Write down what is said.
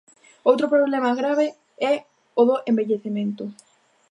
Outro problema grave é o do envellecemento.